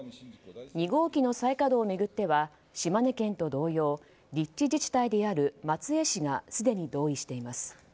２号機の再稼働を巡っては島根県と同様立地自治体である松江市がすでに同意しています。